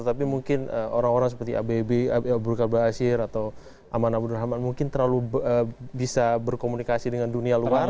tapi mungkin orang orang seperti abb abu al qarbal al asir atau aman abu nur rahman mungkin terlalu bisa berkomunikasi dengan dunia luar